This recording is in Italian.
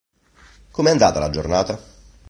Come è andata la giornata?